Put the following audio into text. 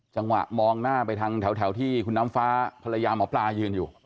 จังหวะมองหน้าไปทางแถวที่คุณน้ำฟ้าภรรยาหมอปลายืนอยู่